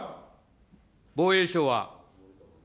防衛省は。